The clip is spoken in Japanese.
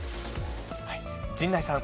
陣内さん。